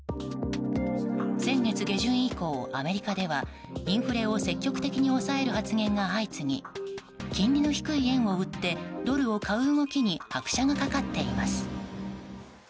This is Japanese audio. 先月下旬以降、アメリカではインフレを積極的に抑える発言が相次ぎ金利の低い円を売ってドルを買う動きに拍車がかかっています。